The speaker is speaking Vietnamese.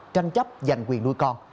tranh chấp giành quyền nuôi con